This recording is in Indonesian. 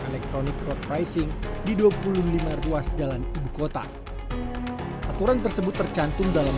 elektronik road pricing di dua puluh lima ruas jalan ibukota aturan tersebut tercantum dalam